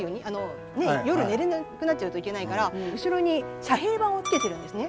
夜寝られなくなっちゃうといけないから後ろに遮蔽板を付けてるんですね。